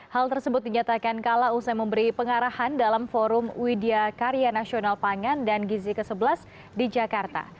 hal tersebut dinyatakan kala usai memberi pengarahan dalam forum widya karya nasional pangan dan gizi ke sebelas di jakarta